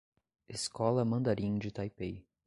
Escola Mandarim de Taipei